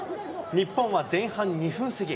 日本は前半２分過ぎ。